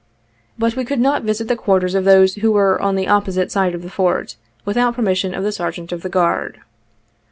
But we could not visit the quarters of those who were on the opposite side of the Fort, without per mission of the Sergeant of the Guard.